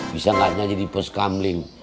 bisa gak nyanyi di poskaling